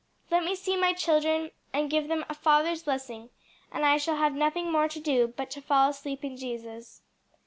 "Let me see my children and give them a father's blessing, and I shall have nothing more to do but fall asleep in Jesus."